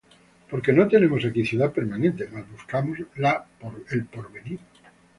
Porque no tenemos aquí ciudad permanente, mas buscamos la por venir.